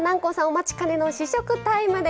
お待ちかねの試食タイムです。